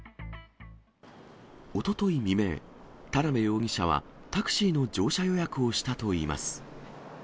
おととい未明、田辺容疑者はタクシーの乗車予約をしたといいます。